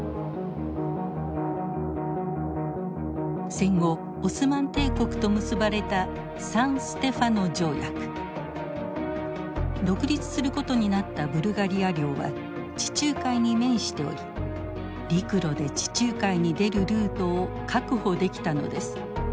戦後オスマン帝国と結ばれたサン・ステファノ条約。独立することになったブルガリア領は地中海に面しており陸路で地中海に出るルートを確保できたのです。